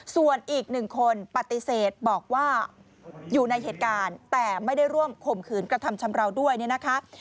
ส่วนอีกหนึ่งคนปฏิเสธบอกว่าอยู่ในเหตุการณ์แต่ไม่ได้ร่วมข่มขืนกระทำชำราวด้วยเนี่ยนะคะ